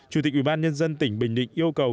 chủ tịch ủy ban nhân dân tỉnh bình định yêu cầu